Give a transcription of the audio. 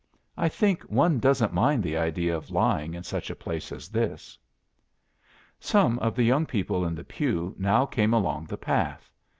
'I think one doesn't mind the idea of lying in such a place as this.'" "Some of the young people in the pew now came along the path.